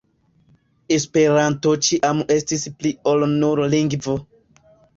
Esperanto ĉiam estis pli ol nur lingvo.